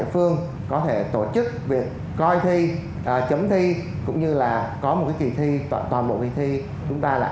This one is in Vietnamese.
phương có thể tổ chức việc coi thi chấm thi cũng như là có một kỳ thi toàn bộ kỳ thi chúng ta đã